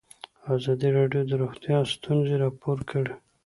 ازادي راډیو د روغتیا ستونزې راپور کړي.